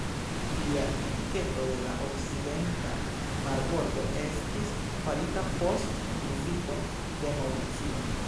Plia enketo de la okcidenta marbordo estis farita post vizito en Maŭricio.